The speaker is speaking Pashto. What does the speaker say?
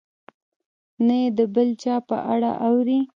نه یې د بل چا په اړه اوري.